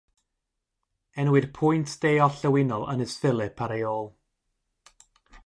Enwir pwynt de-orllewinol Ynys Phillip ar ei ôl.